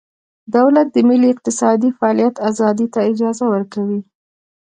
دولت د ملي اقتصادي فعالیت ازادۍ ته اجازه ورکوي